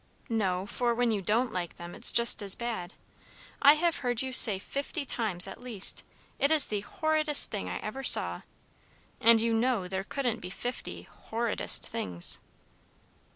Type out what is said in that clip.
"No, for when you don't like them, it's just as bad. I have heard you say fifty times, at least, 'It is the horridest thing I ever saw,' and you know there couldn't be fifty 'horridest' things."